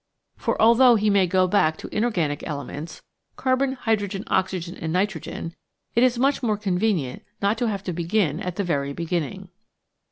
For although he may go back to the inorganic elements, carbon, hydrogen, oxygen, and nitro gen, it is much more convenient not to have to begin at the very beginning.